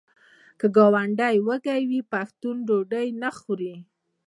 که ګاونډی وږی وي پښتون ډوډۍ نه خوري.